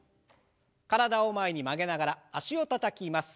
体を前に曲げながら脚をたたきます。